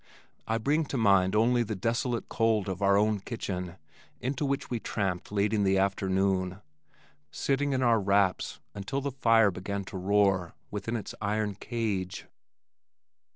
I bring to mind only the desolate cold of our own kitchen into which we tramped late in the afternoon, sitting in our wraps until the fire began to roar within its iron cage.